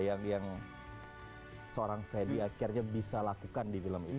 yang seorang fedy akhirnya bisa lakukan di film ini